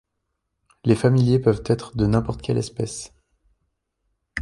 Les familiers peuvent être de n'importe quelle espèce.